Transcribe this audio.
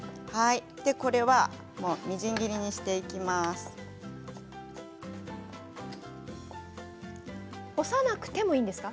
これはみじん切りにしていきます。